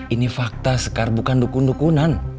ini fakta sekar bukan dukun dukunan